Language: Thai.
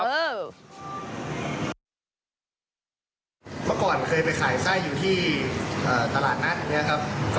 เมื่อก่อนเคยไปขายไส้อยู่ที่ตลาดนัดอย่างนี้ครับ